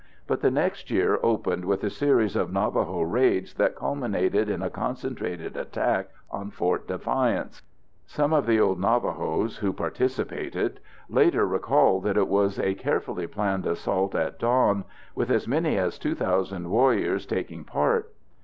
But the next year opened with a series of Navajo raids that culminated in a concentrated attack on Fort Defiance. Some of the old Navajos who participated later recalled that it was a carefully planned assault at dawn, with as many as 2,000 warriors taking part.